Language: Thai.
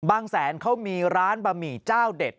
แสนเขามีร้านบะหมี่เจ้าเด็ด